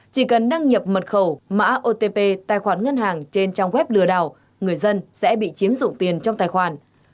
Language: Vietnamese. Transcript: chỉ cần đăng nhập mật khẩu mã otp tài khoản ngân hàng trên trang web lừa đảo người dân sẽ bị chiếm dụng tiền trong tài khoản